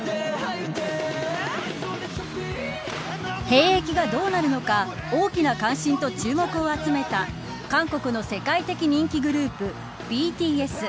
兵役がどうなるのか大きな関心と注目を集めた韓国の世界的人気グループＢＴＳ。